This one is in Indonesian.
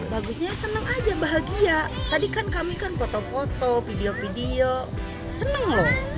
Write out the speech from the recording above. bagusnya senang aja bahagia tadi kan kami foto foto video video senang lho